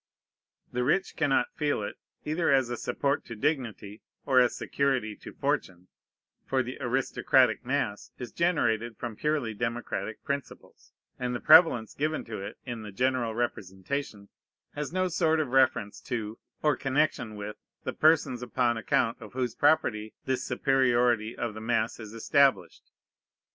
The rich cannot feel it, either as a support to dignity or as security to fortune: for the aristocratic mass is generated from purely democratic principles; and the prevalence given to it in the general representation has no sort of reference to or connection with the persons upon account of whose property this superiority of the mass is established.